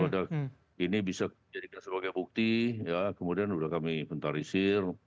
sudah ini bisa dijadikan sebagai bukti ya kemudian sudah kami inventarisir